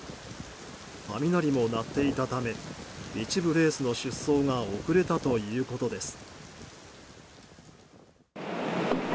雷も鳴っていたため一部レースの出走が遅れたということです。